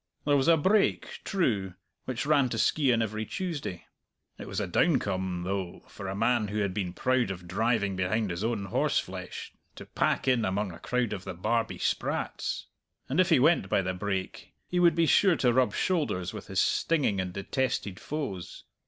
There was a brake, true, which ran to Skeighan every Tuesday. It was a downcome, though, for a man who had been proud of driving behind his own horseflesh to pack in among a crowd of the Barbie sprats. And if he went by the brake, he would be sure to rub shoulders with his stinging and detested foes.